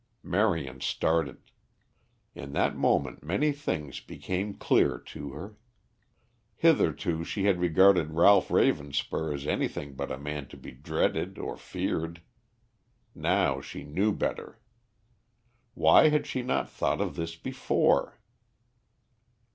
Marion started. In that moment many things became clear to her. Hitherto she had regarded Ralph Ravenspur as anything but a man to be dreaded or feared. Now she knew better. Why had she not thought of this before?